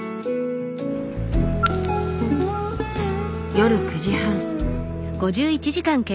夜９時半。